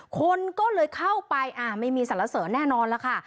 คนก็เลยเข้าไปไม่มีสรรเสริญแน่นอนแล้วค่ะ